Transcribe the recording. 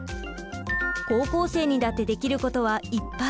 高校生にだってできることはいっぱい。